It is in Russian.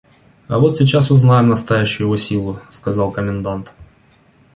– А вот сейчас узнаем настоящую его силу, – сказал комендант.